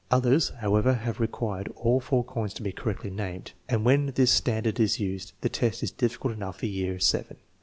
Others, however, have required all four coins to be correctly named, and when this standard is used the test is difficult enough for year VII.